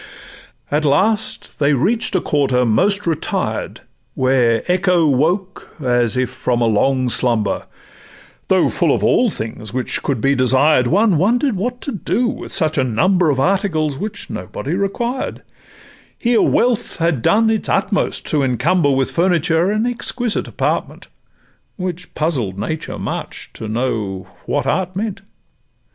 At last they reach'd a quarter most retired, Where echo woke as if from a long slumber; Though full of all things which could be desired, One wonder'd what to do with such a number Of articles which nobody required; Here wealth had done its utmost to encumber With furniture an exquisite apartment, Which puzzled Nature much to know what Art meant.